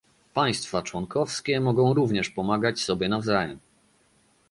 Państwa członkowskie mogą również pomagać sobie nawzajem